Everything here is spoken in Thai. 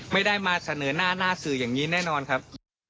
ไม่ได้มาเสนอหน้าหน้าสื่ออย่างนี้แน่นอนครับ